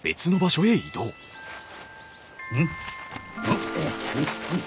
うん？